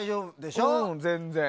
全然。